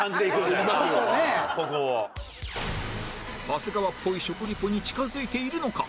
長谷川っぽい食リポに近付いているのか？